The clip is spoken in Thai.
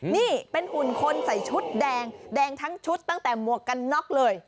นี่เป็นหุ่นคนใส่ชุดแดงแดงทั้งชุดตั้งแต่หมวกกันน็อกเลย